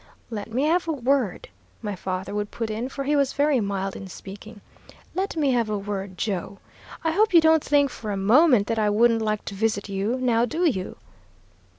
"'Let me have a word,' my father would put in, for he was very mild in speaking; 'let me have a word, Joe. I hope you don't think for a moment that I wouldn't like to visit you; now do you?'